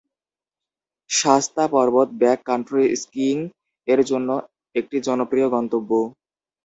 শাস্তা পর্বত backcountry skiing এর জন্য একটি জনপ্রিয় গন্তব্য।